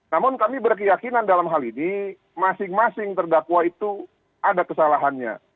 namun kami berkeyakinan dalam hal ini masing masing terdakwa itu ada kesalahannya